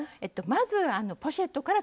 まずポシェットから。